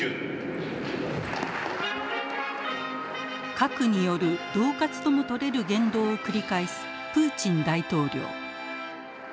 核による恫喝とも取れる言動を繰り返すプーチン大統領。